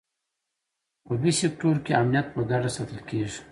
په بي سیکټور کې امنیت په ګډه ساتل کېږي.